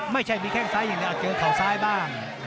ไม่ใช่มีแข้งซ้ายิงเนี่ยเจอเขาซ้ายบ้าง